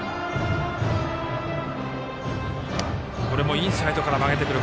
インサイドから曲げてくる。